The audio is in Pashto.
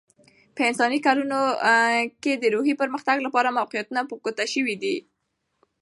په انساني کلونه کې، د روحي پرمختیا لپاره موقعیتونه په ګوته شوي دي.